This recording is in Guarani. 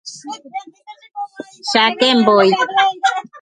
Cháke mbói